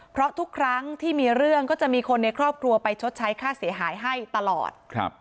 เพราะทุกครั้งที่มีเรื่องก็จะมีคนในครอบครัวไปชดใช้ค่าเสียหายให้ตลอด